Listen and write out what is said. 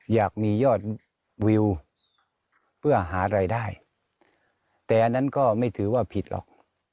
อยากมียอดวิวเพื่อหารายได้แต่อันนั้นก็ไม่ถือว่าผิดหรอก